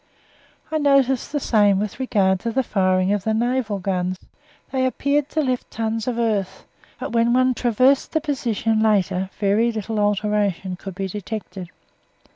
(I noticed the same with regard to the firing of the naval guns. They appeared to lift tons of earth, but when one traversed the position later very little alteration could be detected.)